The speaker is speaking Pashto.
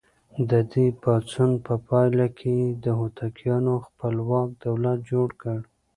د دې پاڅون په پایله کې یې د هوتکیانو خپلواک دولت جوړ کړ.